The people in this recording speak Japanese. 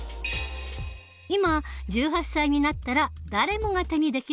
今１８歳になったら誰もが手にできる選挙権。